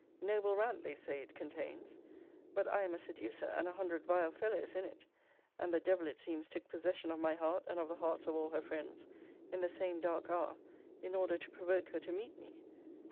Noble rant, they say, it contains But I am a seducer, and a hundred vile fellows, in it. 'And the devil, it seems, took possession of my heart, and of the hearts of all her friends, in the same dark hour, in order to provoke her to meet me.'